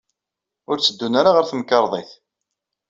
Ur tteddun ara ɣer temkarḍit.